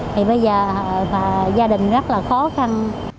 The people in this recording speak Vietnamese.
thì bây giờ gia đình rất là khó khăn